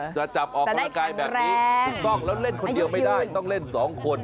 จะจับออกกำลังกายแบบนี้ถูกต้องแล้วเล่นคนเดียวไม่ได้ต้องเล่นสองคน